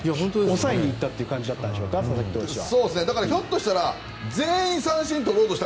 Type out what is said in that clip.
抑えに行ったという感じだったんでしょうか佐々木投手は。